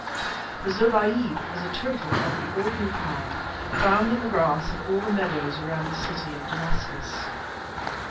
For Zobéide was a turtle of the ordinary kind found in the grass of all the meadows around the city of Damascus.